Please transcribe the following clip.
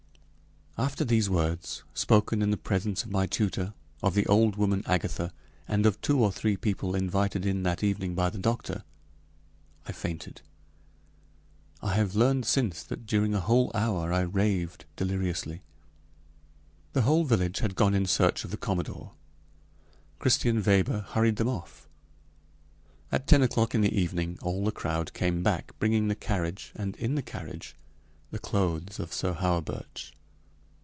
After these words, spoken in the presence of my tutor, of the old woman Agatha, and of two or three people invited in that evening by the doctor, I fainted. I have learned since that during a whole hour I raved deliriously. The whole village had gone in search of the commodore. Christian Weber hurried them off. At ten o'clock in the evening all the crowd came back, bringing the carriage, and in the carriage the clothes of Sir Hawerburch.